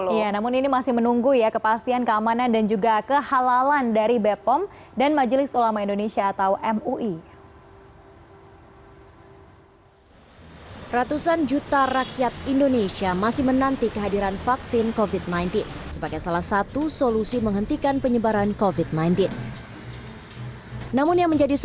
iya namun ini masih menunggu ya kepastian keamanan dan juga kehalalan dari bepom dan majelis ulama indonesia atau mui